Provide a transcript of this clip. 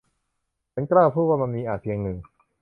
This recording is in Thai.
ฉันกล้าพูดว่ามันอาจมีเพียงหนึ่ง